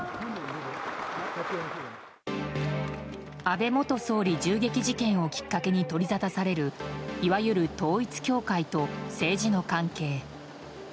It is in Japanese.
安倍元総理銃撃事件をきっかけに、取りざたされるいわゆる統一教会と政治の関係。